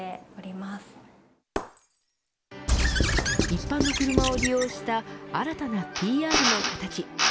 一般の車を利用した新たなＰＲの形。